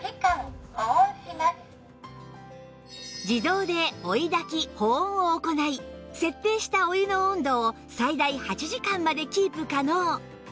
自動で追い焚き保温を行い設定したお湯の温度を最大８時間までキープ可能